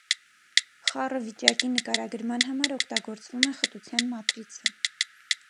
Խառը վիճակի նկարագրման համար օգտագործվում է խտության մատրիցը։